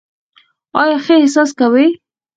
آیا ښه احساس کوې؟